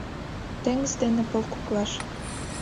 Теҥыз дене пыл коклаш